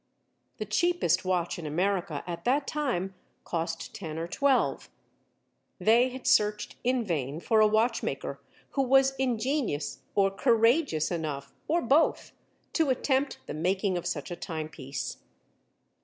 The cheapest watch in America at that time cost ten or twelve. They had searched in vain for a watchmaker who was ingenious or courageous enough, or both, to attempt the making of such a timepiece.